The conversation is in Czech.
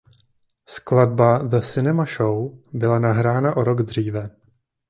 Skladba „The Cinema Show“ byla nahrána o rok dříve.